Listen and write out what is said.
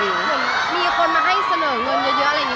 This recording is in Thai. เหมือนมีคนมาให้เสนอเงินเยอะอะไรอย่างนี้